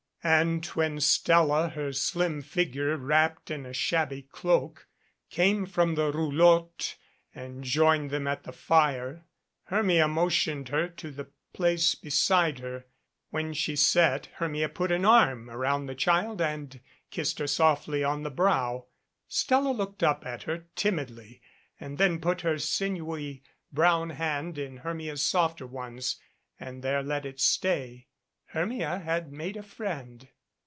And when Stella, her slim figure wrapped in a shabby cloak, came from the roulotte and joined them at the fire, flermia motioned her to the place beside her. When she sat, Hermia put an arm around the child and kissed her softly on the brow. Stella looked up at her timidly and then put her sinewy brown hand in Hermia's softer ones and there let it stay. Hermia had made a friend.